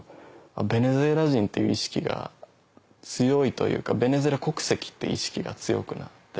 ベネズエラ人っていう意識が強いというかベネズエラ国籍っていう意識が強くなって。